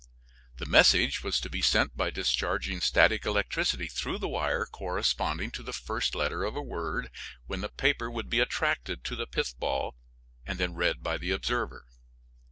The message was to be sent by discharging static electricity through the wire corresponding to the first letter of a word when the paper would be attracted to the pith ball and read by the observer.